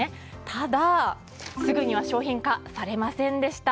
ただ、すぐには商品化されませんでした。